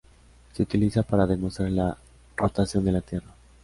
Se utiliza para demostrar la rotación de la Tierra.